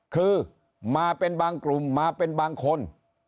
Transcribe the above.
คือมาเป็นบางกลุ่มมาเป็นบางคน